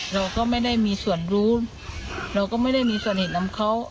เราก็ไม่ได้มีส่วนรู้เราก็ไม่ได้มีส่วนสนิทนำเขา